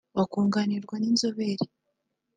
bakunganirwa n’inzobere